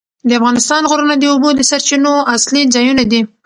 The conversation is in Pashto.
د افغانستان غرونه د اوبو د سرچینو اصلي ځایونه دي.